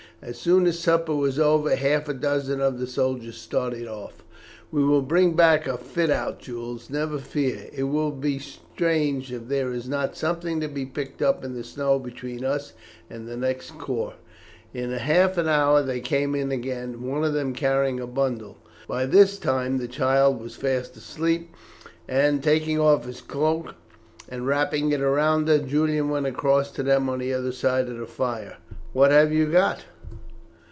As soon as supper was over half a dozen of the soldiers started off. "We will bring back a fit out, Jules, never fear. It will be strange if there is not something to be picked up in the snow between us and the next corps." In half an hour they came in again, one of them carrying a bundle. By this time the child was fast asleep, and, taking off his cloak and wrapping it round her, Julian went across to them on the other side of the fire. "What have you got?"